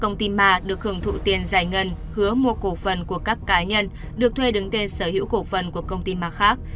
giải ngân hứa mua cổ phân của các cá nhân được thuê đứng tên sở hữu cổ phân của công ty mà khác